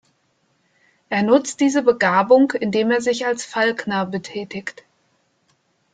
Er nutzt diese Begabung, indem er sich als Falkner betätigt.